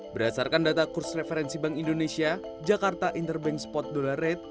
berdasarkan data kurs referensi bank indonesia jakarta interbank spot dollar rate